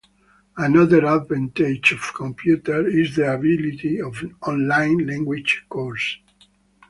Another advantage of computers is the availability of online language courses.